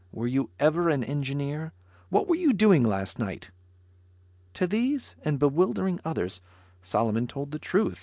Were you ever an engineer? What were you doing last night? To these, and bewildering others, Solomon told the truth.